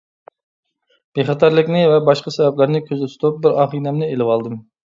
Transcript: بىخەتەرلىكنى ۋە باشقا سەۋەبلەرنى كۆزدە تۇتۇپ، بىر ئاغىنەمنى ئېلىۋالدىم.